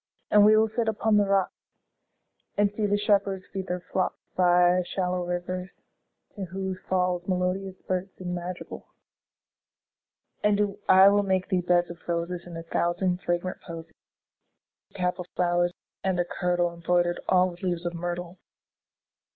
And we will sit upon the rocks, 5 And see the shepherds feed their flocks By shallow rivers, to whose falls Melodious birds sing madrigals. And I will make thee beds of roses And a thousand fragrant posies; 10 A cap of flowers, and a kirtle Embroider'd all with leaves of myrtle.